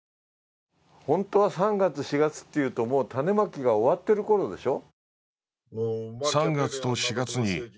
本当は３月、４月というと種まきが終わっている頃でしょ？